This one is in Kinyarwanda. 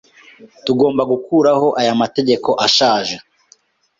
Tugomba gukuraho aya mategeko ashaje.